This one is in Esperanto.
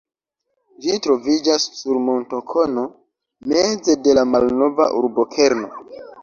Ĝi troviĝas sur montokono meze de la malnova urbokerno.